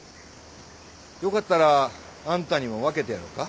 よかったらあんたにも分けてやろか？